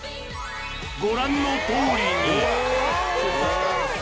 ご覧のとおりに！